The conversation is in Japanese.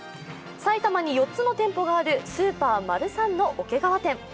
埼玉に４つの店舗があるスーパーマルサンの桶川店。